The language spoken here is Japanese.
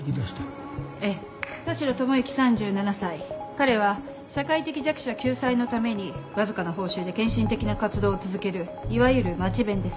彼は社会的弱者救済のためにわずかな報酬で献身的な活動を続けるいわゆるマチベンです。